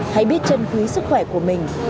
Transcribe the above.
hãy biết chân khí sức khỏe của mình